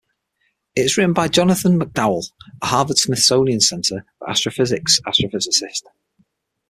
It is written by Jonathan McDowell, a Harvard-Smithsonian Center for Astrophysics astrophysicist.